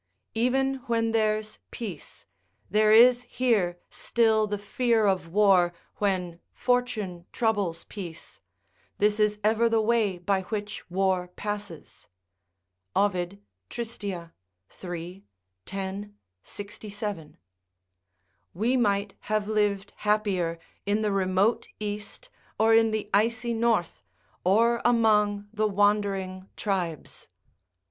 ["Even when there's peace, there is here still the dear of war when Fortune troubles peace, this is ever the way by which war passes." Ovid, Trist., iii. 10, 67.] ["We might have lived happier in the remote East or in the icy North, or among the wandering tribes."